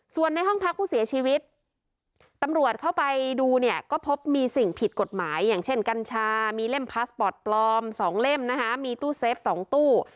ส่วนในห้องพักผู้เสียชีวิตตำรวจเข้าไปดูเนี่ยก็พบมีสิ่งผิดกฎหมายอย่างเช่นกัญชามีเล่มพาสปอร์ตปลอม๒เล่มนะคะมีตู้เซฟ๒ตู้